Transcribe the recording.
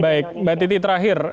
baik mbak titi terakhir